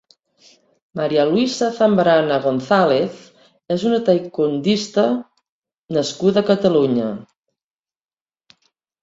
María Luisa Zambrana González és una taekwondista nascuda a Catalunya.